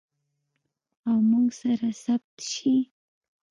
او موږ سره ثبت شي.